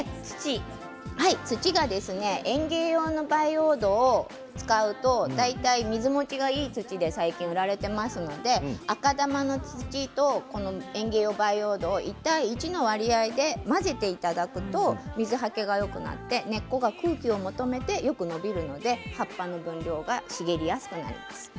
土が園芸用の培養土を使うと大体水もちがいい土で最近売られていますので赤玉の土と園芸用培養土を１対１の割合で混ぜていただくと水はけがよくなって根っこが空気を求めてよく伸びるので葉っぱの分量が茂りやすくなります。